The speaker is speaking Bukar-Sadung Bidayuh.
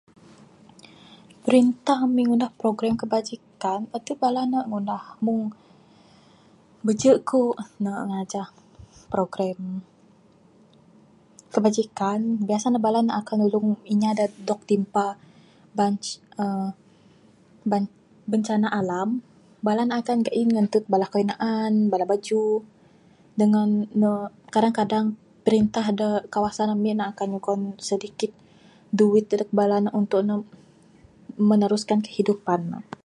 Printah ami ngundah program kebajikan, adup bala ne ngundah mung beju' kuk, ne ngajah program kebajikan. Biasa ne bala ne akan nulung inya da dog timpa ben, uhh ben bencana alam. Bala ne akan gain ngantud bala kayuh naan, bala bajuh, dengan ne kadang kadang perintah da kawasan ami ne akan mugon sedikit duit dadeg bala ne untuk ne meneruskan kehidupan ne.